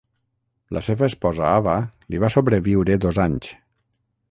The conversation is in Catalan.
La seva esposa Ava li va sobreviure dos anys.